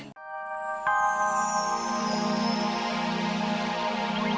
kalau kamu tak